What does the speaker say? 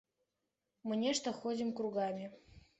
Мы нешта ходзім кругамі.